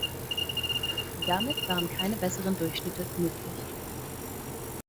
Damit waren keine besseren Durchschnitte möglich.